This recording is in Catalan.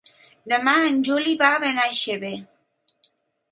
Demà en Juli va a Benaixeve.